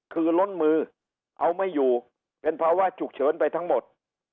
คือล้นมือเอาไม่อยู่เป็นภาวะฉุกเฉินไปทั้งหมด